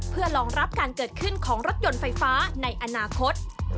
เพื่อรองรับการเกิดขึ้นของรถยนต์ไฟฟ้าในอนาคต